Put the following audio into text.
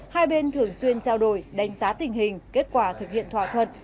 hai bên thường xuyên trao đổi đánh giá tình hình kết quả thực hiện thỏa thuận